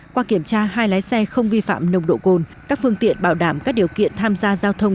qua kiểm tra hai lái xe không vi phạm nồng độ cồn các phương tiện bảo đảm các điều kiện tham gia giao thông